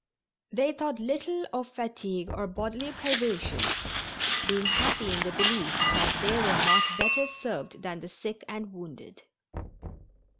They thought little of fatigue or bodily privation, being happy in the belief that they were not better served than the sick and wounded.